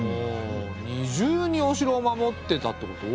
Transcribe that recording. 二重にお城を守ってたってこと？